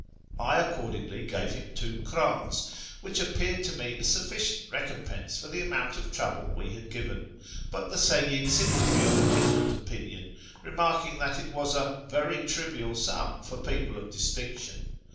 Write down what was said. I accordingly gave him two krdns, wliich appeared to mo a sufficient recom pense for the amount of trouble we luul ^iven, but the Seyyid seemed to be of a different opinion, remarking tliat it was " a very trivial sum for people of distinction."